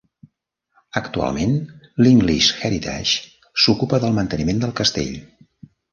Actualment, English Heritage s'ocupa del manteniment del castell.